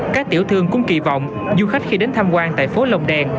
các tiểu thương cũng kỳ vọng du khách khi đến tham quan tại phố lồng đèn